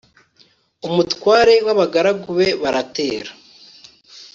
umutware w abagaragu be baratera